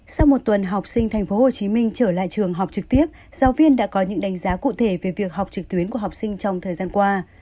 sau một tuần học sinh tp hcm trở lại trường học trực tiếp giáo viên đã có những đánh giá cụ thể về việc học trực tuyến của học sinh trong thời gian qua